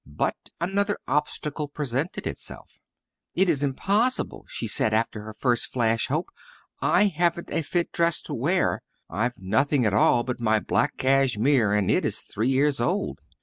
But another obstacle presented itself. "It's impossible," she said again, after her first flash hope. "I haven't a fit dress to wear I've nothing at all but my black cashmere and it is three years old."